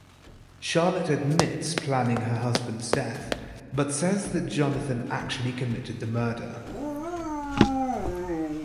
Charlotte admits planning her husband's death, but says that Jonathan actually committed the murder.